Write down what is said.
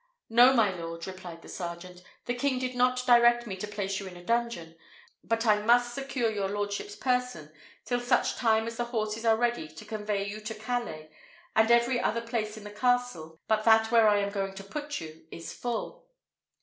"No, my lord," replied the sergeant, "the king did not direct me to place you in a dungeon; but I must secure your lordship's person till such time as the horses are ready to convey you to Calais, and every other place in the castle but that where I am going to put you is full.